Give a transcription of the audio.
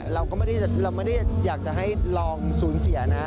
เราก็ไม่ได้อยากจะให้ลองศูนย์เสียนะ